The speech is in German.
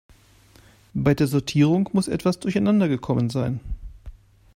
Bei der Sortierung muss etwas durcheinander gekommen sein.